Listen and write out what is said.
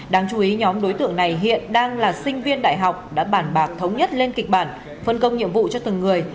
đáng chú ý nhóm đối tượng này hiện đang là sinh viên đại học đã bản bạc thống nhất lên kịch bản phân công nhiệm vụ cho từng người